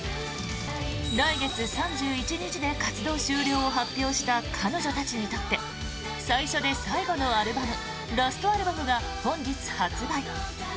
来月３１日で活動終了を発表した彼女たちにとって最初で最後のアルバム「ラストアルバム」が本日発売。